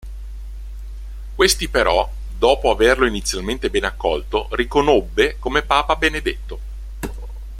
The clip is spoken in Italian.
Questi però, dopo averlo inizialmente ben accolto, riconobbe come papa Benedetto.